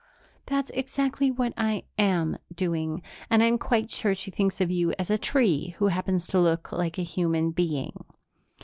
"That's exactly what I am doing. And I'm quite sure she thinks of you as a tree who happens to look like a human being."